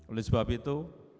oleh sebab itu